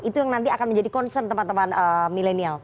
itu yang nanti akan menjadi concern teman teman milenial